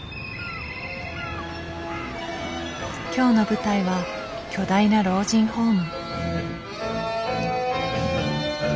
今日の舞台は巨大な老人ホーム。